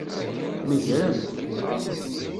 Megren-t.